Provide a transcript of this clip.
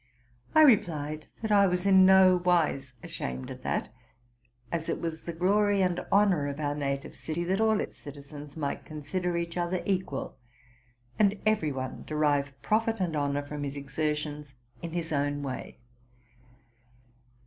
I replied, that I was in no wise ashamed of that, as it was the glory and honor of our native city that all its citizens might consider each other equal, and every one derive profit and honor from his exer tions in his own way.